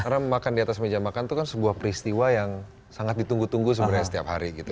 karena makan di atas meja makan itu kan sebuah peristiwa yang sangat ditunggu tunggu sebenarnya setiap hari gitu